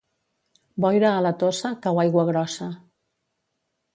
Boira a la Tossa, cau aigua grossa.